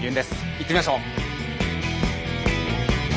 行ってみましょう。